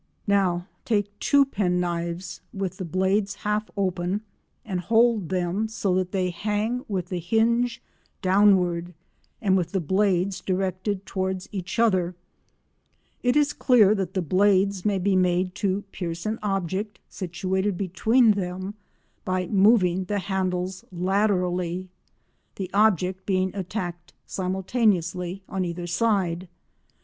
Now take two penknives with the blades half open and hold them so that they hang with the hinge downward and with the blades directed towards each other; it is clear that the blades may be made to pierce an object situated between them by moving the handles laterally, the object being attacked simultaneously on either side.